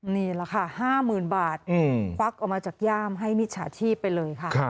นี่แหละค่ะ๕๐๐๐บาทควักออกมาจากย่ามให้มิจฉาชีพไปเลยค่ะ